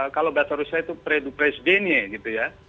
kalau bahasa rusia itu